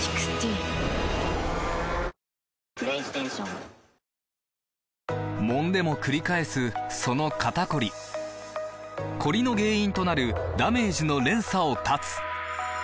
最高の渇きにＤＲＹもんでもくり返すその肩こりコリの原因となるダメージの連鎖を断つ！